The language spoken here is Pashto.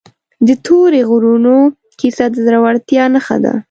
د تورې غرونو کیسه د زړورتیا نښه ده.